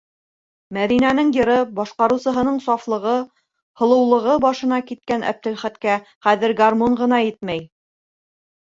Мәҙинәнең йыры, башҡарыусыһының сафлығы, һылыулығы башына киткән Әптеләхәткә хәҙер гармун ғына етмәй.